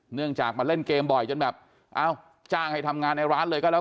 เนื่องจากมาเล่นเกมบ่อยจนแบบเอ้าจ้างให้ทำงานในร้านเลยก็แล้ว